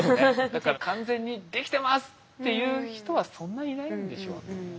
だから「完全にできてます！」っていう人はそんないないんでしょうね。